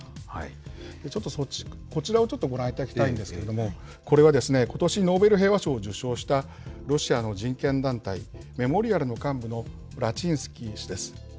ちょっとこちらをご覧いただきたいんですけれども、これはことし、ノーベル平和賞を受賞した、ロシアの人権団体、メモリアルの幹部のラチンスキー氏です。